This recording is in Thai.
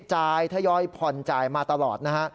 ทยอยผ่อนจ่ายมาตลอดนะฮะ